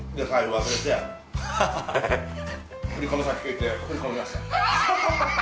振込先聞いて振り込みました。